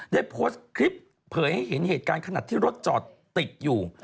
ได้โพสต์คลิปเผยให้เห็นเหตุการณ์ขณะที่รถจอดติดอยู่